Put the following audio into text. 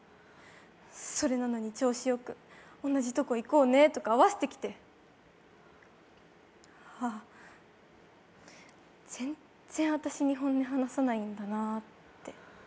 それなのに、調子よく同じとこ行こうねとか合わせてきて、全然私に本音話さないんだなって。